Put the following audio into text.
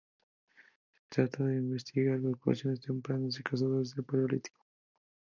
Se trataba de investigar ocupaciones tempranas de cazadores del paleolítico.